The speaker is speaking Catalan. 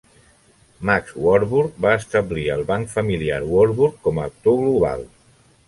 Max Warburg va establir el banc familiar Warburg com a "actor global".